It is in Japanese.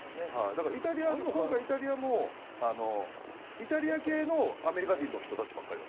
だからイタリア今回イタリアもイタリア系のアメリカ人の人たちばっかりだったので。